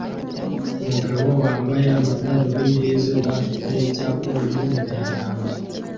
Umugabo wambaye amadarubindi yizuba afite icyapa mumyigaragambyo